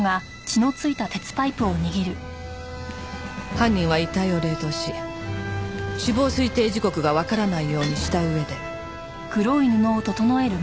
犯人は遺体を冷凍し死亡推定時刻がわからないようにした上で。